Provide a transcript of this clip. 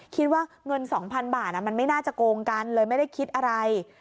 คิดว่าเงิน๒๐๐๐บาทมันไม่น่าจะโกงกันเลยไม่ได้คิดอะไร